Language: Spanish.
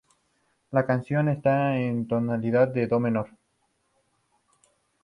La canción está en la tonalidad de do menor.